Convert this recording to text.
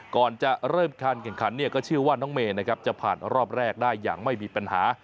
ก่อนจะเริ่มการแข่งขันเนี่ยก็เชื่อว่าน้องเมย์นะครับจะผ่านรอบแรกได้อย่างไม่มีปัญหา